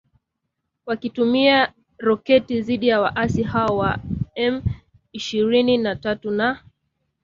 Wakitumia roketi dhidi ya waasi hao wa M ishirini na tatu na